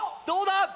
どうだ？